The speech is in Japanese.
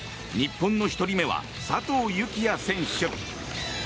日本の１人目は佐藤幸椰選手。